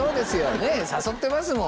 ねえ誘ってますもん。